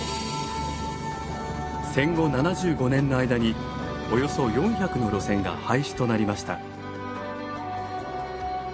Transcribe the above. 戦後７５年の間におよそ４００の路線が廃止となりました。